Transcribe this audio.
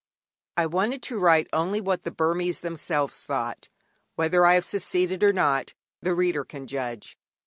I wanted to write only what the Burmese themselves thought; whether I have succeeded or not, the reader can judge.